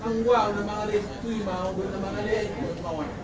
angguau namangalek tuimau bernamangalek mungutmawan